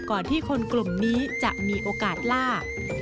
ที่คนกลุ่มนี้จะมีโอกาสล่า